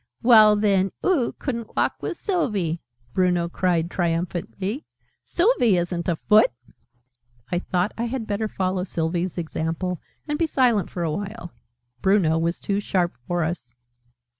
"Well then, oo couldn't walk with Sylvie!" Bruno cried triumphantly. "Sylvie isn't a foot!" I thought I had better follow Sylvie's example, and be silent for a while. Bruno was too sharp for us.